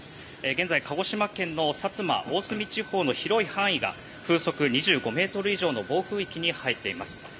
現在、鹿児島県の薩摩・大隅地方の広い範囲が風速２５ｍ以上の暴風域に入っています。